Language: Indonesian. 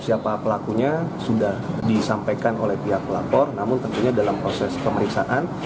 siapa pelakunya sudah disampaikan oleh pihak pelapor namun tentunya dalam proses pemeriksaan